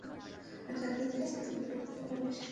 আমি জানতে চেয়েছি - তুই লড়তে পারিস কিনা।